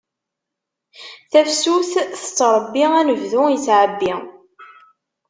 Tafsut tettṛebbi, anebdu ittɛebbi.